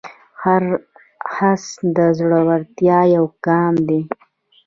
هر خرڅ د زړورتیا یو ګام دی.